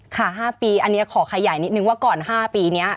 ๕ปีอันนี้ขอขยายนิดนึงว่าก่อน๕ปีนี้